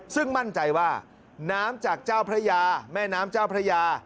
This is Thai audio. ซึ่งมั่นใจว่าน้ำจากเจ้าพระยาแม่น้ำเจ้าพระยา